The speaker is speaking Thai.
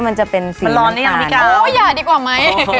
เอานั่นลงไส้เลยเนาะ